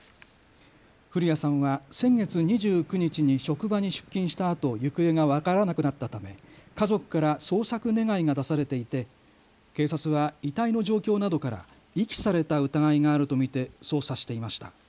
古屋さんは先月２９日に職場に出勤したあと行方が分からなくなったため家族から捜索願いが出されていて警察は遺体の状況などから遺棄された疑いがあると見て捜査していました。